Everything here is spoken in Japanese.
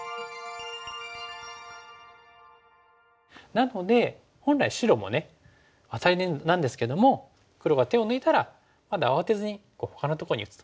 なので本来白もアタリなんですけども黒が手を抜いたらまだ慌てずにほかのとこに打つと。